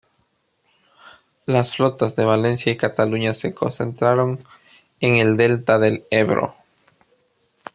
Las flotas de Valencia y Cataluña se concentraron en el Delta del Ebro.